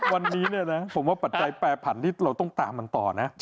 วันนี้เนี่ยนะผมว่าปัจจัยแปรผันที่เราต้องตามมันต่อนะ